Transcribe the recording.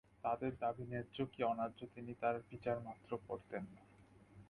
তাঁদের দাবি ন্যায্য কি অন্যায্য তিনি তার বিচারমাত্র করতেন না।